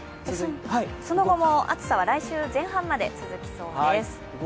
その後も暑さは来週前半まで続きそうです。